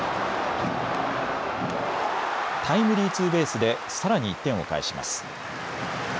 タイムリーツーベースでさらに１点を返します。